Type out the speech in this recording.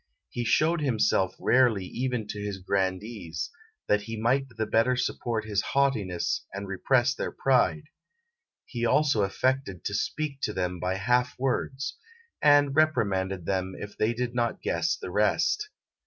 He showed himself rarely even to his grandees, that he might the better support his haughtiness and repress their pride. He also affected to speak to them by half words; and reprimanded them if they did not guess the rest.